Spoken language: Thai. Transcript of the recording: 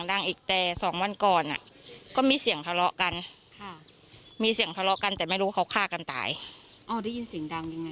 ได้ยินเสียงดังยังไงบ้าง